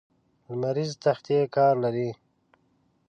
لمریزې تختې کار لري.